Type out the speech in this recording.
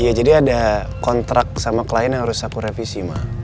iya jadi ada kontrak sama klien yang harus aku revisi mah